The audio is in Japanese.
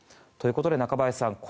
ということで、中林さん